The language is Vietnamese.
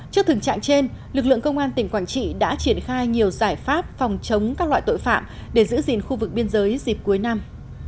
trước thực trạng trên lực lượng công an tỉnh quảng trị đã triển khai nhiều giải pháp phòng chống các loại tội phạm để giữ gìn khu vực biên giới dịp cuối năm